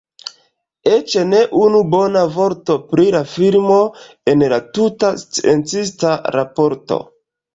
Eĉ ne unu bona vorto pri la filmo en la tuta sciencista raporto.